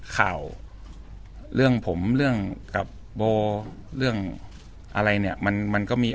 ข่าวเรื่องผมเรื่องกับโบเรื่องอะไรเนี่ยมันมันก็มี